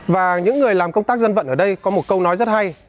và những người làm công tác dân vận ở đây có một câu nói rất hay